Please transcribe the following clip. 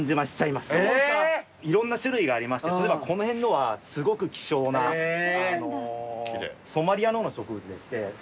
いろんな種類がありまして例えばこの辺のはすごく希少なソマリアの方の植物でしてちょっと値段が希少なんで高い。